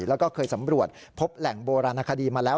แล้วก็เคยสำรวจพบแหล่งโบราณคดีมาแล้ว